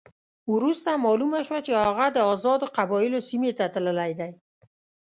وروسته معلومه شوه چې هغه د آزادو قبایلو سیمې ته تللی دی.